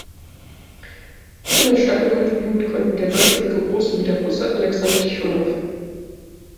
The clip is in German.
Viermal Staffelgold gewinnen konnten der Deutsche Ricco Groß sowie der Russe Alexander Tichonow.